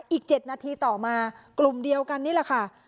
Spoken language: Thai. อีก๗นาทีต่อมากลุ่มเดียวกันนี่แหละค่ะ